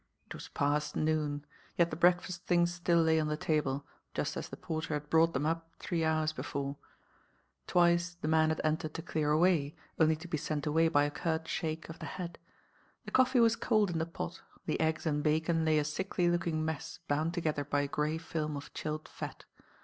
It was past noon; yet the breakfast things still lay on the table, just as the porter had brought them up three hours before. Twice the man had entered to clear away, only to be sent away by a curt shake of the head. The coffee was cold in the pot, the eggs and bacon lay a sickly looking mess bound together by a grey film of chilled fat.